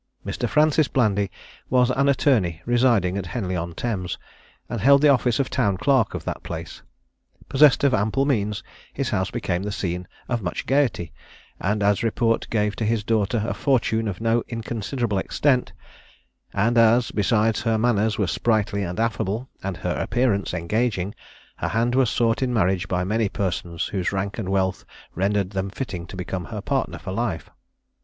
Mr. Francis Blandy was an attorney residing at Henley on Thames, and held the office of town clerk of that place. Possessed of ample means, his house became the scene of much gaiety; and as report gave to his daughter a fortune of no inconsiderable extent, and as, besides, her manners were sprightly and affable, and her appearance engaging, her hand was sought in marriage by many persons whose rank and wealth rendered them fitting to become her partner for life.